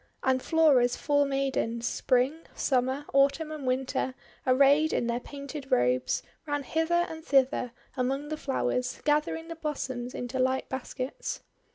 And Flora's four maidens, Spring, Summer, Autumn, and Winter, arrayed in their painted robes, ran hither and thither among the flowers, gathering the blossoms into light baskets.